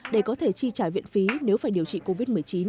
để có thể chi trả viện phí nếu phải điều trị covid một mươi chín